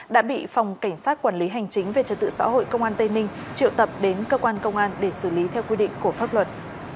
đã bị phòng cảnh sát quản lý hành chính về trật tự xã hội công an tây ninh triệu tập đến cơ quan công an để xử lý theo quy định của pháp luật